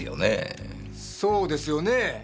そうですよねえ！